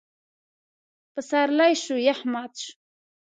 پسرلی شو؛ يخ مات شو.